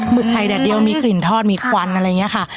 กไข่แดดเดียวมีกลิ่นทอดมีควันอะไรอย่างนี้ค่ะ